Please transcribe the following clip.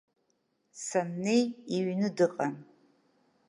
Саннеи иҩны дыҟан.